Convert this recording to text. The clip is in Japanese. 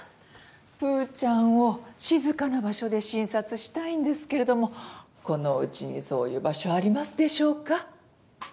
プーちゃんを静かな場所で診察したいんですけれどもこのおうちにそういう場所ありますでしょうか？